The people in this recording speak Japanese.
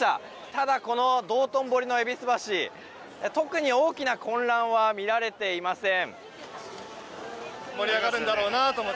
ただ、この道頓堀の戎橋特に大きな混乱は見られていません。